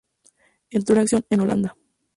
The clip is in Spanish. Entró en acción en Holanda.